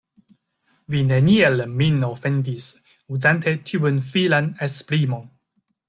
Vi neniel min ofendis, uzante tiun filan esprimon.